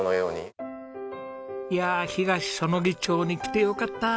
いやあ東彼杵町に来てよかった！